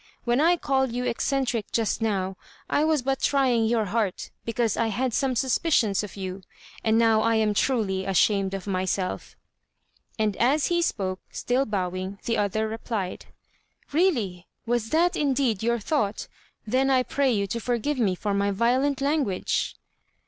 When I called you eccentric just now, I was but trying your heart, because I had some suspicions of you; and now I am truly ashamed of myself." And as he spoke, still bowing, the other replied: "Really! was that indeed your thought? Then I pray you to forgive me for my violent language."